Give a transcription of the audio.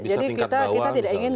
jadi kita tidak ingin